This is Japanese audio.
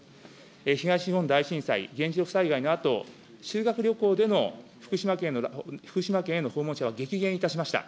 東日本大震災、原子力災害のあと、修学旅行での福島県への訪問者が激減いたしました。